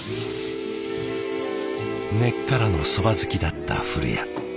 根っからのそば好きだった古谷。